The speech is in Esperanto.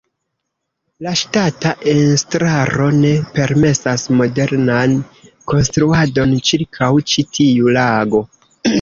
La ŝtata estraro ne permesas modernan konstruadon ĉirkaŭ ĉi tiu lago.